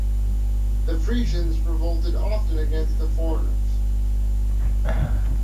The Frisians revolted often against the foreigners.